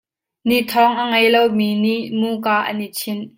Nithawng a ngei lo mi nih muka an in chinh.